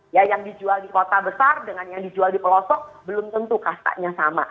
ya yang dijual di kota besar dengan yang dijual di pelosok belum tentu kastanya sama